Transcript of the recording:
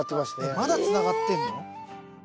まだつながってんの？